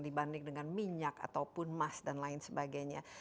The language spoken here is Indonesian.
dibanding dengan minyak ataupun emas dan lain sebagainya